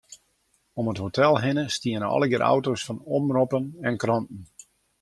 Om it hotel hinne stiene allegearre auto's fan omroppen en kranten.